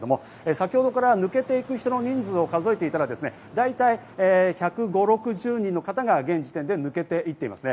先ほどから抜けていく人の人数を数えていたら大体１５０１６０人の方が現時点で抜けていっています。